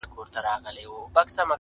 • نه شاهین د تورو غرو نه تور بلبل سوې..